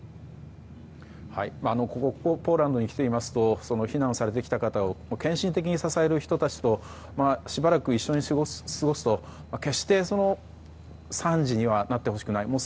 ここポーランドに来ていますと避難されてきた方を献身的に支える人たちとしばらく一緒に過ごすと、決して惨事にはなってほしくない。